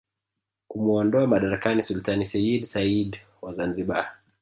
kumuondoa madarakani Sultani seyyid said wa Zanzibar